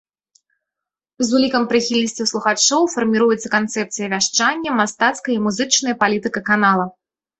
З улікам прыхільнасцяў слухачоў фарміруецца канцэпцыя вяшчання, мастацкая і музычная палітыка канала.